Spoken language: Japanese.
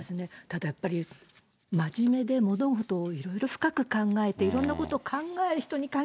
ただやっぱり、真面目で物事をいろいろ深く考えて、いろんなことを考える人に限